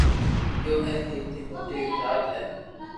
گيو ھي ڪيتي موٽي ٽات ھي